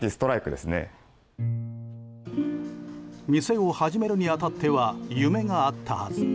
店を始めるに当たっては夢があったはず